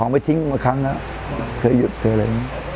ของไปทิ้งเมื่อครั้งแล้วเคยหยุดคืออะไรอย่างนี้